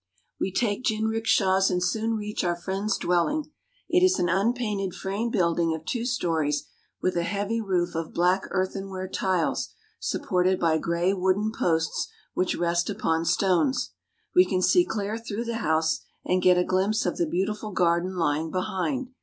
We take jinrikishas and soon reach our friend's dwelling. It is an unpainted frame building of two stories, with a heavy roof of black earthenware tiles supported by gray wooden posts which rest upon stones. We can see clear through the house and get a glimpse of the beautiful garden lying behind.